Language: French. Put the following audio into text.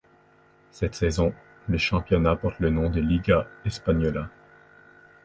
Cette saison, le championnat porte le nom de Liga Española.